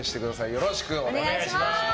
よろしくお願いします。